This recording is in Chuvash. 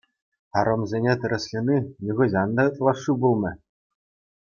Арӑмсене тӗрӗслени нихӑҫан та ытлашши пулмӗ.